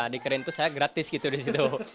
dikerin itu saya gratis gitu di situ